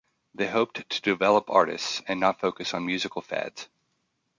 They hoped to develop artists, and not focus on musical fads.